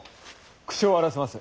口を割らせます。